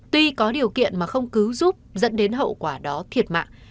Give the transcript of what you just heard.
tuy có điều kiện mà không cứu giúp dẫn đến hậu quả đó thiệt mạng